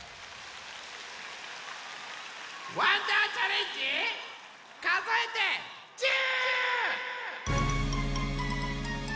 「わんだーチャレンジかぞえて１０」！